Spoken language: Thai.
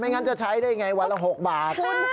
ไม่งั้นจะใช้ได้ยังไงวันละ๖บาท